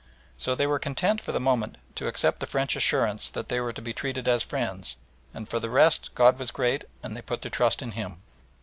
So they were content for the moment to accept the French assurance that they were to be treated as friends, and for the rest God was great, and they put their trust in Him.